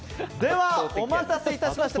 お待たせいたしました。